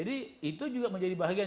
itu juga menjadi bahagian